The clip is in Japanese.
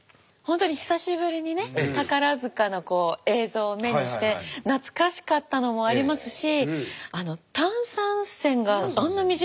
本当に久しぶりにね宝塚の映像を目にして懐かしかったのもありますし。